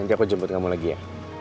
nanti apa jemput kamu lagi ya